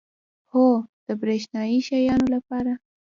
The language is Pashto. هو، د بریښنایی شیانو لپاره